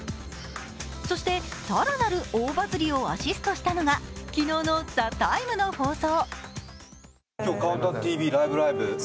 そして更なる大バズりをアシストしたのが、昨日の「ＴＨＥＴＩＭＥ，」の放送。